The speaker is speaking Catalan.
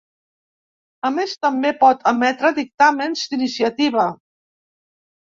A més també pot emetre dictàmens d'iniciativa.